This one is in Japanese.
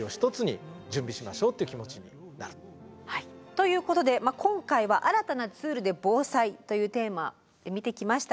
ということで今回は「新たなツールで防災」というテーマで見てきましたけれどもいかがでしたか？